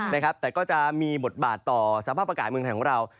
แต่ก็จะมีบทบาทต่อสภาพอากาศเมืองไทยของเรา